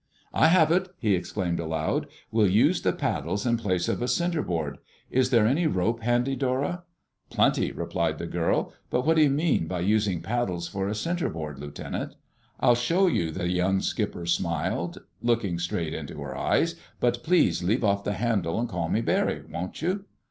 "I have it!" he exclaimed aloud. "We'll use the paddles in place of a centerboard. Is there any rope handy, Dora?" "Plenty," replied the girl. "But what do you mean by using paddles for a centerboard, Lieutenant?" "I'll show you," the young skipper smiled, looking straight into her eyes. "But please leave off the handle and call me Barry, won't you?"